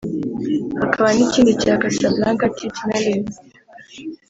hakaba n’ikindi cya Casablanca Tit Mellil